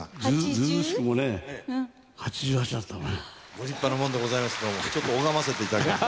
ご立派なもんでございますけれどもちょっと拝ませていただきます。